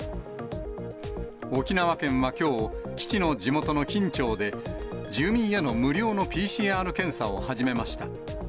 沖縄県はきょう、基地の地元の金武町で、住民への無料のＰＣＲ検査を始めました。